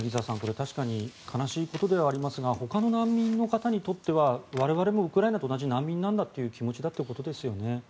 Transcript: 確かに悲しいことではありますがほかの難民の方にとっては我々もウクライナと同じ難民なんだという気持ちということですよね。